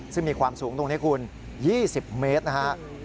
ซึ่งมีความสูงตรงนี้คุณ๒๐เมตรนะฮะ